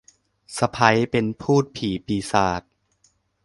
สะใภ้เป็นภูตผีปีศาจ